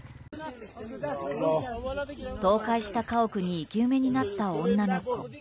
倒壊した家屋に生き埋めになった女の子。